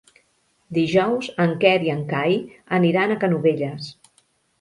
Dijous en Quer i en Cai aniran a Canovelles.